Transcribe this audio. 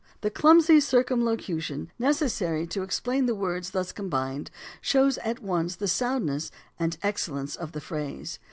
The clumsy circumlocution necessary to explain the words thus combined shows at once the soundness and excellence of the phrase.